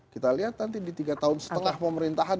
kita lihat nanti di tiga tahun setengah pemerintahan